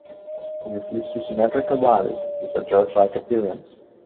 This leads to symmetrical valleys with a gorge-like appearance.